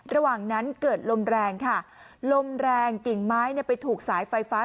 ระหว่างนั้นเกิดลมแรงค่ะลมแรงกิ่งไม้เนี่ยไปถูกสายไฟฟ้า